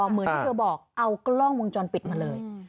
เหมือนที่เธอบอกเอากล้องวงจรปิดมาเลย